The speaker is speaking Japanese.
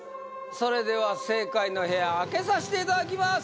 それでは正解の部屋開けさしていただきます